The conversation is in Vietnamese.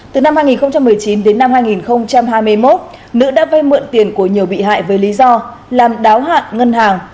từ năm hai nghìn một mươi chín đến năm hai nghìn hai mươi một nữ đã vay mượn tiền của nhiều bị hại với lý do làm đáo hạn ngân hàng